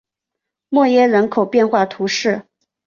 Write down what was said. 默耶人口变化图示